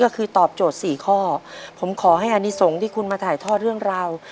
ก็คือตอบโจทย์สี่ข้อผมขอให้อนิสงฆ์ที่คุณมาถ่ายทอดเรื่องราว